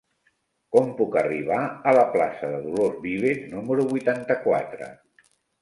Com puc arribar a la plaça de Dolors Vives número vuitanta-quatre?